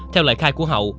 theo lời khai của hậu